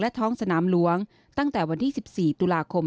ท้องสนามหลวงตั้งแต่วันที่๑๔ตุลาคม